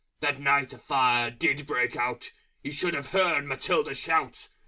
That Night a Fire did break out You should have heard Matilda Shout!